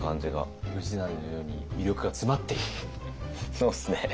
そうっすね。